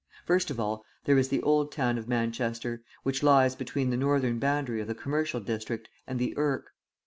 First of all, there is the old town of Manchester, which lies between the northern boundary of the commercial district and the Irk.